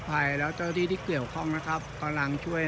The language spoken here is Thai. ภัยแล้วเจ้าที่ที่เกี่ยวข้องนะครับกำลังช่วย